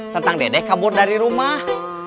tentang dede kabur dari rumah